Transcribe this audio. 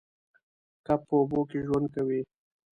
کب په اوبو کې ژوند کوي